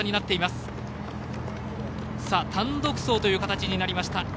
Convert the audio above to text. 単独走という形になりました。